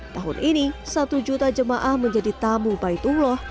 tahun ini satu juta jemaah menjadi tamu baik allah